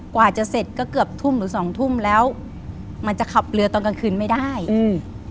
กว่าจะเสร็จก็เกือบทุ่มหรือสองทุ่มแล้วมันจะขับเรือตอนกลางคืนไม่ได้อืม